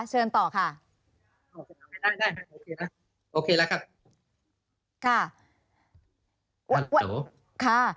เชิญต่อค่ะได้ได้ได้โอเคแล้วครับ